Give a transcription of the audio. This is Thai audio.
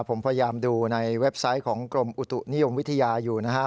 ผมพยายามดูในเว็บไซต์ของกรมอุตุนิยมวิทยาอยู่นะครับ